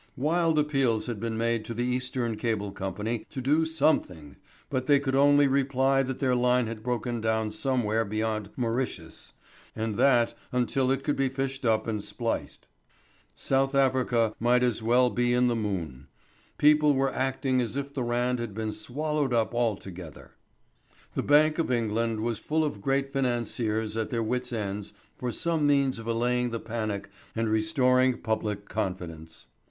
Wild appeals had been made to the Eastern Cable Company to do something, but they could only reply that their line had broken down somewhere beyond Mauritius, and that, until it could be fished up and spliced. South Africa might as well be in the moon. People were acting as if the Rand had been swallowed up altogether. The Bank of England was full of great financiers at their wits' ends for some means of allaying the panic and restoring public confidence.